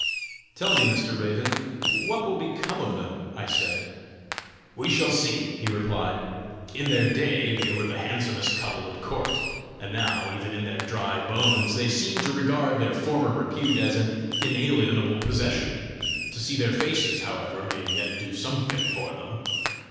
"Tell me, Mr. Raven, what will become of them," I said. "We shall see," he replied. "In their day they were the handsomest couple at court; and now, even in their dry bones, they seem to regard their former repute as an inalienable possession; to see their faces, however, may yet do something for them!